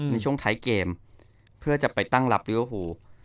ในช่วงท้ายเกมเพื่อจะไปตั้งรับลิเวอร์ฟู